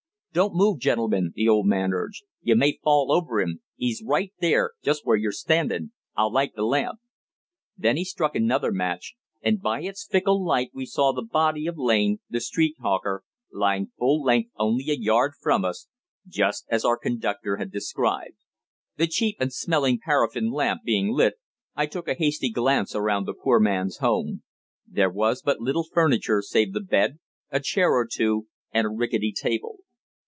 "Don't move, gentlemen," the old man urged. "You may fall over 'im. 'E's right there, just where you're standin'. I'll light the lamp." Then he struck another match, and by its fickle light we saw the body of Lane, the street hawker, lying full length only a yard from us, just as our conductor had described. The cheap and smelling paraffin lamp being lit, I took a hasty glance around the poor man's home. There was but little furniture save the bed, a chair or two, and a rickety table.